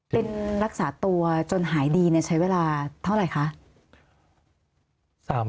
เป็นรักษาตัวจนหายดีใช้เวลาเท่าไหร่คะ